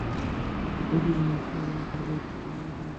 বাবা আমাদের দু জনের পা তাঁর গায়ের উপর তুলে দিয়ে ঘুমুতেন।